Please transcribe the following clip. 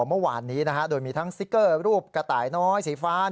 เมื่อวานนี้โดยมีทั้งสติ๊กเกอร์รูปกระต่ายน้อยสีฟ้า